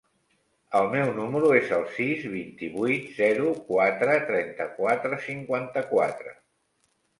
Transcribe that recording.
El meu número es el sis, vint-i-vuit, zero, quatre, trenta-quatre, cinquanta-quatre.